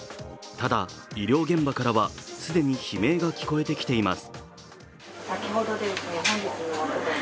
ただ、医療現場からは既に悲鳴が聞こえてきています。